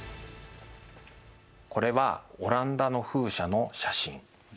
これはオランダの風車の写真。